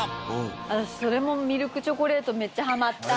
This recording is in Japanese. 私、それも、ミルクチョコレート、めっちゃはまった。